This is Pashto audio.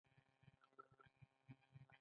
• ملګری د ستړیا احساس ختموي.